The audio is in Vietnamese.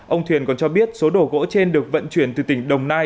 ông thuyền còn cho biết số đồ gỗ trên được vận chuyển từ tỉnh đồng nai